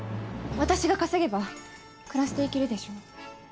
私が稼げば暮らしていけるでしょ。